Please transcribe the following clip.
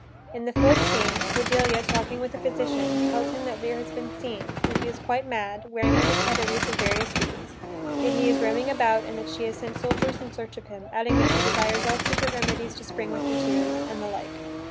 In the fourth scene, Cordelia, talking with a physician, tells him that Lear has been seen, that he is quite mad, wearing on his head a wreath of various weeds, that he is roaming about and that she has sent soldiers in search of him, adding that she desires all secret remedies to spring with her tears, and the like.